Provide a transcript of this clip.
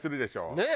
ねえ。